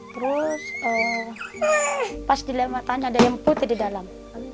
terus pas dilematannya ada yang putih di dalam